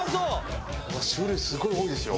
種類すごい多いですよ。